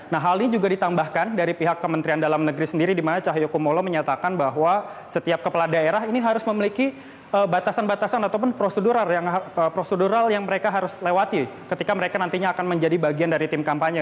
nah hal ini juga ditambahkan dari pihak kementerian dalam negeri sendiri di mana cahyokumolo menyatakan bahwa setiap kepala daerah ini harus memiliki batasan batasan ataupun prosedural yang mereka harus lewati ketika mereka nantinya akan menjadi bagian dari tim kampanye